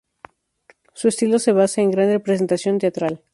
Su estilo se basa en gran representación teatral.